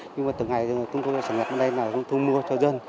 nhưng mà từ ngày chúng tôi sản xuất ở đây là chúng tôi mua cho dân